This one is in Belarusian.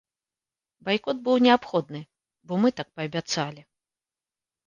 Байкот быў неабходны, бо мы так паабяцалі.